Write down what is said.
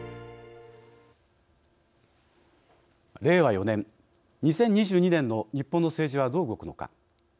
令和４年２０２２年の日本の政治はどう動くのか。